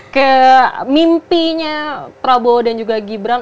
kayak mimpinya prabowo dan juga gibran